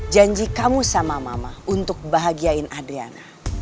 janji kamu sama mama untuk bahagiain adriana